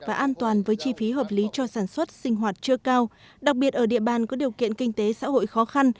và an toàn với chi phí hợp lý cho sản xuất sinh hoạt chưa cao đặc biệt ở địa bàn có điều kiện kinh tế xã hội khó khăn